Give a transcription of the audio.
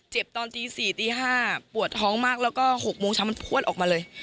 ตอนตี๔ตี๕ปวดท้องมากแล้วก็๖โมงเช้ามันพวดออกมาเลย